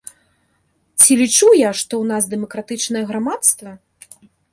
Ці лічу я, што ў нас дэмакратычнае грамадства?